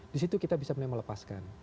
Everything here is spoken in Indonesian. di situ kita bisa melepaskan